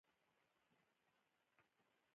د ویب سایټ بارولو سرعت د کارونکي تجربه ښه کوي.